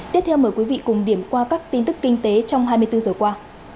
tiếp theo mời quý vị cùng điểm qua các tin tức kinh tế trong hai mươi bốn giờ qua